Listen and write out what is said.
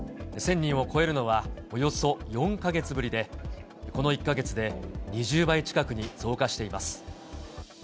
１０００人を超えるのはおよそ４か月ぶりで、この１か月で２０倍近くに増加しています。